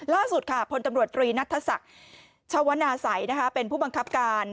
ล่าสุดค่ะพลตำรวจตรีนัทศักดิ์ชวนาศัยเป็นผู้บังคับการ